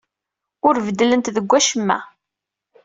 Ur beddlent deg wacemma.